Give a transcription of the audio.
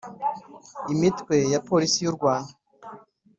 imitwe ya Polisi y’u Rwanda